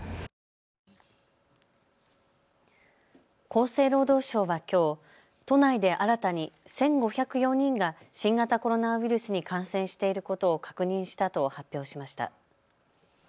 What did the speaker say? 厚生労働省はきょう、都内で新たに１５０４人が新型コロナウイルスに感染していることを確認したと発表しました。